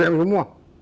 iya atbm semua